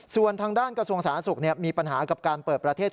ส่วนทางด้านกระทรวงสาธารณสุขมีปัญหากับการเปิดประเทศ